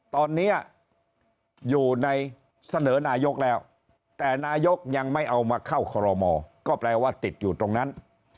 ตอนนี้อยู่ในเสนอนายกแล้วแต่นายกยังไม่เอามาเข้าคอรมอก็แปลว่าติดอยู่ตรงนั้น